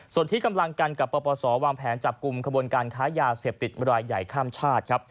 ส่วนที่กำลังกันกับปปศวางแผนจับกลุ่มขบวนการค้ายาเสพติดรายใหญ่ข้ามชาติครับ